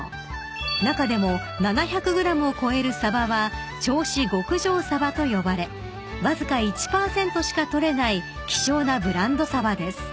［中でも７００ｇを超えるサバは銚子極上さばと呼ばれわずか１％しか取れない希少なブランドサバです］